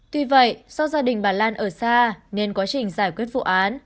tuy vậy do gia đình bà lan ở xa nên quá trình giải quyết vụ án